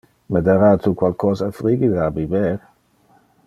Me dara tu qualcosa frigide a biber?